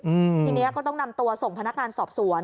ทีเนี้ยก็ต้องนำตัวส่งพนักงานสอบสวน